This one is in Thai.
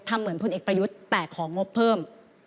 ทำเหมือนอิกประยุทธ์แต่ของงบเพิ่ม